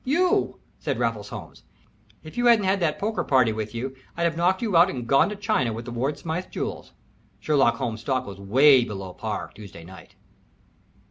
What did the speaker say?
"You!" said Raffles Holmes. "If you hadn't had that poker party with you I'd have knocked you out and gone to China with the Ward Smythe jewels. Sherlock Holmes stock was 'way below par Tuesday night."